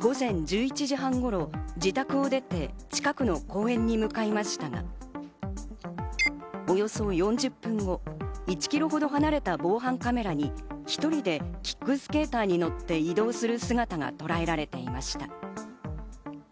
午前１１時半頃、自宅を出て近くの公園に向かいましたが、およそ４０分後、１キロほど離れた防犯カメラに１人でキックスケーターに乗って移動する姿がとらえられていました。